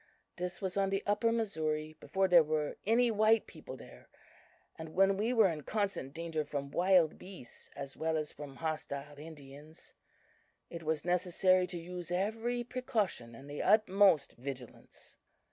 This was on the Upper Missouri, before there were any white people there, and when we were in constant danger from wild beasts as well as from hostile Indians. It was necessary to use every precaution and the utmost vigilance.